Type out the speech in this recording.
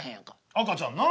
赤ちゃんな。